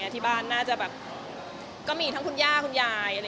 ที่บ้านน่าจะแบบก็มีทั้งคุณย่าคุณยาย